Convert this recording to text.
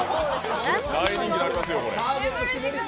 大人気になりますよ、これ。